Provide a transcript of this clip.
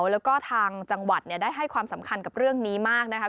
แล้วก็ทางจังหวัดได้ให้ความสำคัญกับเรื่องนี้มากนะคะ